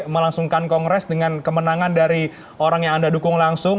melangsungkan kongres dengan kemenangan dari orang yang anda dukung langsung